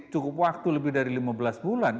cukup waktu lebih dari lima belas bulan